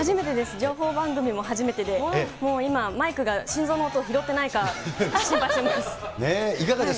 情報番組も初めてで、もう今、マイクが心臓の音を拾ってないか、心配しています。